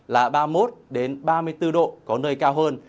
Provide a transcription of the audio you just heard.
là ba mươi một ba mươi bốn độ có nơi cao hơn